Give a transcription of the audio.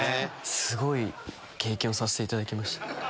すごい経験をさせていただきました。